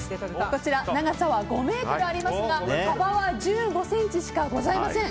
こちら長さは５ｍありますが幅は１５ｃｍしかございません。